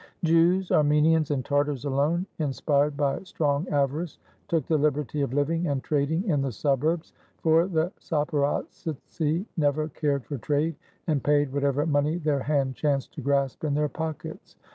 Jews, Armenians, and Tartars alone, in spired by strong avarice, took the liberty of living and trading in the suburbs; for the Zaporozhtzi never cared for trade, and paid whatever money their hand chanced to grasp in their pockets.